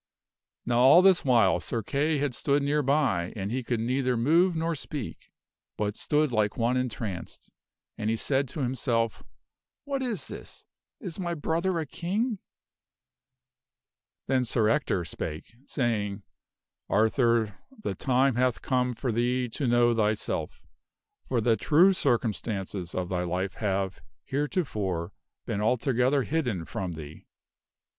Now all this while Sir Kay had stood near by and he could neither move nor speak, but stood like one entranced, and he said to himself, "What is this? Is my brother a King?" Then Sir Ector spake, saying, " Arthur, the time hath come for thee to know thyself, for the true circumstances of thy life have, heretofore, been altogether hidden from thee.